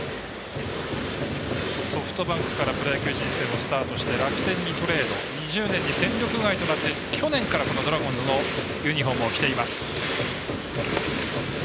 ソフトバンクからプロ野球人生をスタートして楽天にトレード２０年に戦力外となって去年からドラゴンズのユニフォームを着ています。